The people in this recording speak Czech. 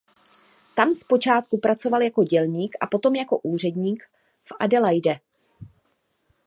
Tam zpočátku pracoval jako dělník a potom jako úředník v Adelaide.